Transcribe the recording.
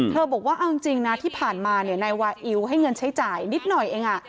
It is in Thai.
บอกว่าเอาจริงนะที่ผ่านมานายวาอิวให้เงินใช้จ่ายนิดหน่อยเอง